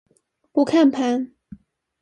不看盤